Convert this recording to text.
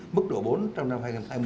mức độ bốn trong năm hai nghìn hai mươi